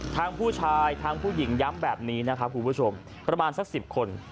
ทั้งผู้ชายผู้หญิงย้ำแบบนี้นะครับประมาณสัก๑๐คน